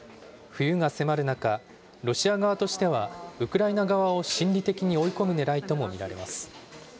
冬が迫る中、ロシア側としては、ウクライナ側を心理的に追い込むねらいとも見られます。